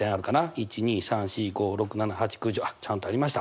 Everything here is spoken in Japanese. １２３４５６７８９１０ちゃんとありました。